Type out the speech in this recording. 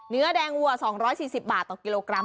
เนื้อแดงวัว๒๔๐บาทต่อกิโลกรัม